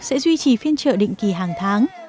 sẽ duy trì phiên trợ định kỳ hàng tháng